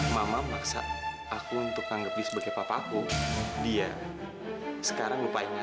sampai jumpa di video selanjutnya